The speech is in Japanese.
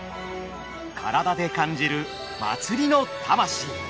体で感じる祭りの魂。